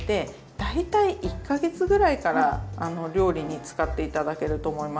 大体１か月ぐらいから料理に使って頂けると思います。